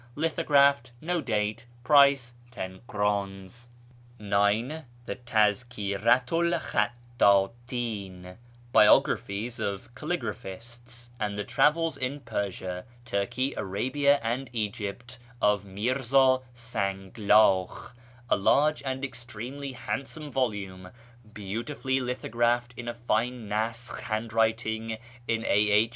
Lithographed. No date. Price 10 krdns. 9. The Tazkiratu 'l XIiccUdHn (" Biographies of Calligraph ists ") and the Travels in Persia, Turkey, Arabia, and Egypt, of Mirza Sanglakh, a large and extremely handsome volume, lieautifully lithographed in a fine naskh handwriting in A.H.